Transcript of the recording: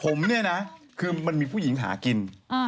ผมเนี่ยนะคือมันมีผู้หญิงหากิน